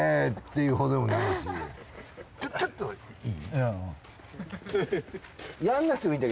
ちょっといい？